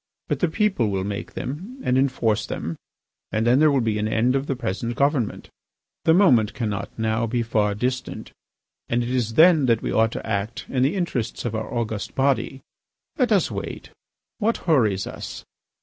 But the people will make them, and enforce them, and then there will be an end of the present government. The moment cannot now be far distant; and it is then that we ought to act in the interests of our august body. Let us wait. What hurries us?